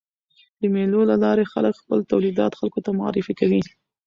د مېلو له لاري خلک خپل تولیدات خلکو ته معرفي کوي.